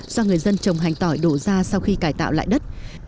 do người dân trồng hành tỏi đổ ra sau khi cải tạo lại đất